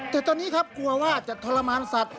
แต่ตอนนี้ครับกลัวว่าจะทรมานสัตว